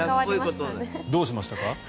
どうしましたか？